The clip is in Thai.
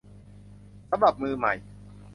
สำหรับมือใหม่